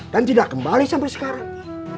dan tidak kembali sampai sekarang